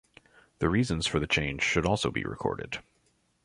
The reasons for the change should also be recorded.